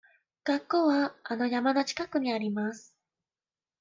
学校はあの山の近くにあります。